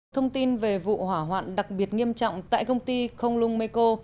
thông tin về vụ hỏa hoạn đặc biệt nghiêm trọng tại công ty konglung meiko